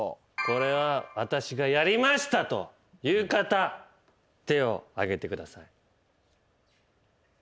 これは私がやりましたという方手をあげてください。